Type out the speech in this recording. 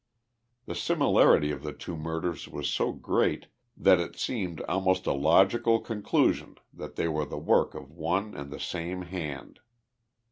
The similarity of the two murders was so great that it seemed almost a logical conclusion that they were the work of one and the same hand."